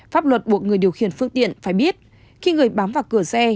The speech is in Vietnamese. pháp luật buộc người điều khiển phương tiện phải biết khi người bám vào cửa xe